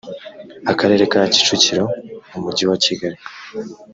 akarere ka kicukiro umujyi wa kigali